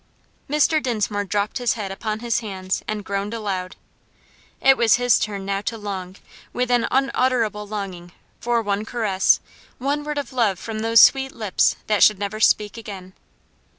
Mr. Dinsmore dropped his head upon his hands, and groaned aloud. It was his turn now to long, with an unutterable longing, for one caress, one word of love from those sweet lips that should never speak again.